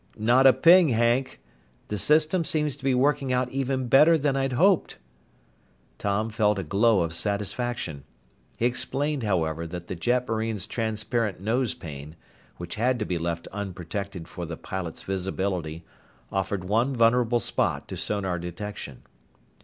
"Not a ping, Hank. The system seems to be working out even better than I'd hoped." Tom felt a glow of satisfaction. He explained, however, that the jetmarine's transparent nose pane which had to be left unprotected for the pilot's visibility offered one vulnerable spot to sonar detection.